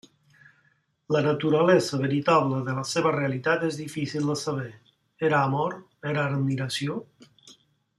La naturalesa veritable de la seva realitat és difícil de saber: era amor, era admiració?